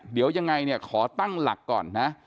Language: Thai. เดี๋ยวยังไงขอตั้งหลักก่อน